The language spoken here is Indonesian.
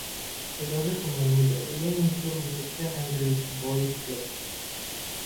Sebagai pemain muda, ia muncul untuk Saint Andrew's Boys 'Club.